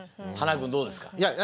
塙君どうですか？